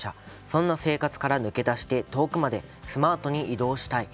そんな生活から抜け出して遠くまでスマートに移動したい。